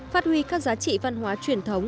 phát huy các giá trị văn hóa truyền thống